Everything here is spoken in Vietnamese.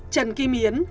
trần kim yến